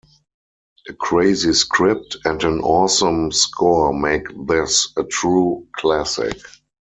A crazy script and an awesome score make this a true classic.